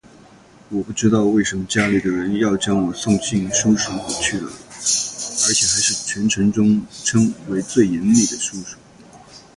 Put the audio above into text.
我不知道为什么家里的人要将我送进书塾里去了而且还是全城中称为最严厉的书塾